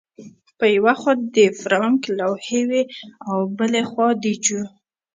په یوه خوا د فرانک لوحې وې او بل خوا د جو